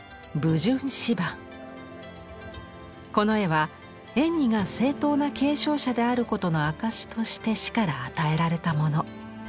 この絵は円爾が正当な継承者であることの証しとして師から与えられたもの。